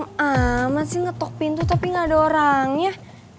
gampang banget sih ngetok pintu tapi gak ada orangnya